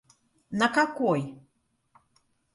На какой?